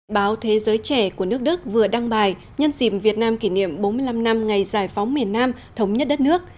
báo thế giới trẻ của nước đức vừa đăng bài nhân dìm việt nam kỷ niệm bốn mươi năm năm ngày giải phóng miền nam thống nhất đất nước